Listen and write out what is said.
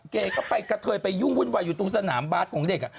แกก็ไปกระเทยไปยุ่งวุ่นวายอยู่ตรงสนามบาสของเด็ก